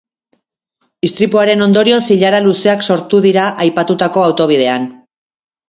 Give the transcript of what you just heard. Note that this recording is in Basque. Istripuaren ondorioz ilara luzeak sortu dira aipatutako autobidean.